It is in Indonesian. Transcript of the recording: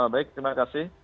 baik terima kasih